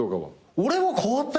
俺は変わったよ。